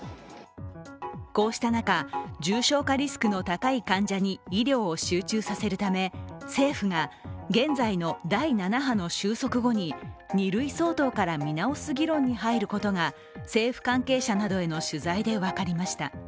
こうした中、重症化リスクの高い患者に医療を集中させるため政府が、現在の第７波の収束後に２類相当から見直す議論に入ることが政府関係者などへの取材で分かりました。